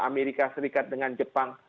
amerika serikat dengan jepang